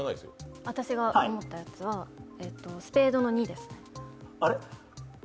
私が思ったやつはスペードの２です。